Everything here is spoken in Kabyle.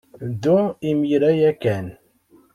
Ddu imir-a ya kan.